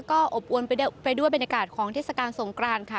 ก็อบอวนไปด้วยบรรยากาศของเทศกาลสงกรานค่ะ